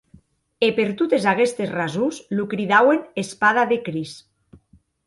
E per totes aguestes rasons lo cridauen Espada de Crist.